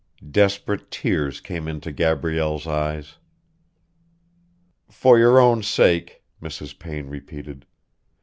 Desperate tears came into Gabrielle's eyes. "For your own sake," Mrs. Payne repeated.